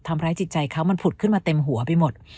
ทำร้ายจิตใจเขามันผุดขึ้นมาเต็มหัวไปหมด